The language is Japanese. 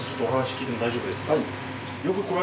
お話聞いても大丈夫ですか？